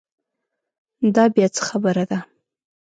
دا بیا څه خبره ده.